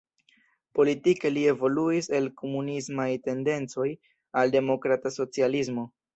Politike li evoluis el komunismaj tendencoj al demokrata socialismo.